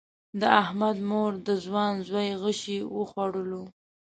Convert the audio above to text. د احمد مور د ځوان زوی غشی وخوړلو.